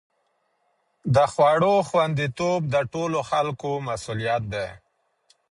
د خوړو خوندي توب د ټولو خلکو مسؤلیت دی.